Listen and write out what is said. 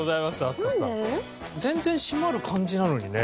全然閉まる感じなのにね。